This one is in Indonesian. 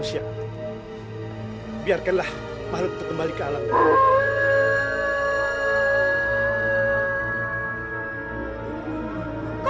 sampai jumpa di video selanjutnya